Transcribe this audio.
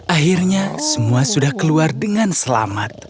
akhirnya semua sudah keluar dengan selamat